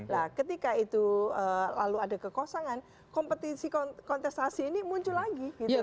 nah ketika itu lalu ada kekosongan kompetisi kontestasi ini muncul lagi